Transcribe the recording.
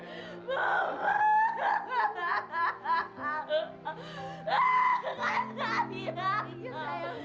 kenapa aku diganti buta lagi kenapa cuma diganti sebentar ia